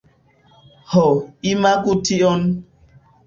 Ho, imagu tion!